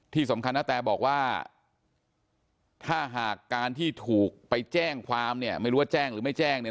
ที่สำคัญณะแตรบอกว่าถ้าการที่ถูกไปแจ้งความไม่รู้ว่าแจ้งหรือไม่แจ้ง